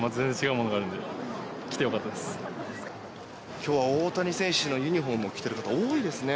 今日は大谷選手のユニホームを着ている方多いですね。